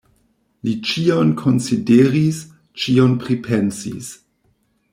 Li ĉion konsideris, ĉion pripensis.